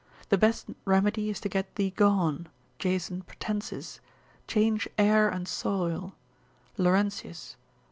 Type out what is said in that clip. The best remedy is to get thee gone, Jason Pratensis: change air and soil, Laurentius.